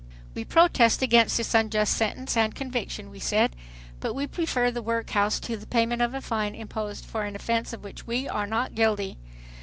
"We protest against this unjust sentence and conviction," we said, "but we prefer the workhouse to the payment of a fine imposed for an offense of which we are not guilty."